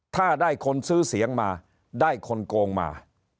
ถ้าได้คนซื้อเสียงมาได้คนโกงมา